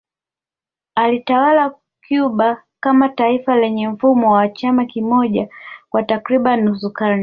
Aliitawala Cuba kama taifa lenye mfumo wa chama kimoja kwa takriban nusu karne